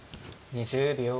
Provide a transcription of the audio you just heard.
２０秒。